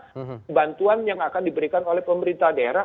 dan pembantu yang akan diberikan oleh pemerintah daerah